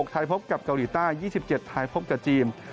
ไทยพบกับเกาหลีใต้๒๗ไทยพบกับจีน